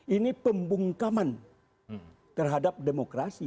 ini pembungkaman terhadap demokrasi